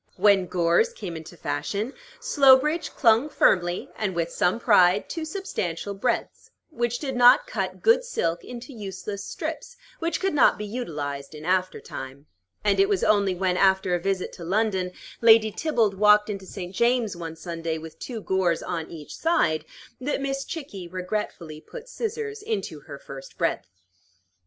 When gores came into fashion, Slowbridge clung firmly, and with some pride, to substantial breadths, which did not cut good silk into useless strips which could not be utilized in after time; and it was only when, after a visit to London, Lady Theobald walked into St. James's one Sunday with two gores on each side, that Miss Chickie regretfully put scissors into her first breadth.